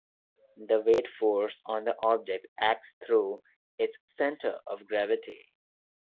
The weight force on the object acts through its center of gravity.